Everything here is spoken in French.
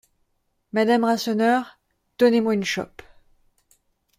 Madame Rasseneur, donnez-moi une chope…